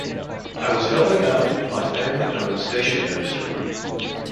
I was helping out in my family owned stationery store.